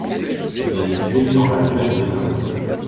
Il est situé dans l'actuel Bénin.